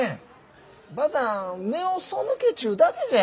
ばあさん目をそむけちゅうだけじゃ。